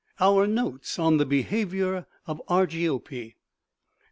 OUR NOTES ON THE BEHAVIOR OF ARGIOPE "Nov.